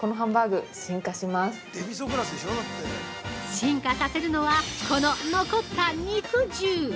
◆進化させるのはこの残った肉汁。